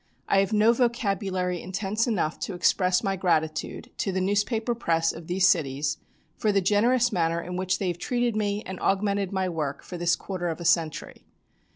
"I have no vocabulary intense enough to express my gratitude to the newspaper press of these cities for the generous manner in which they have treated me and augmented my work for this quarter of a century.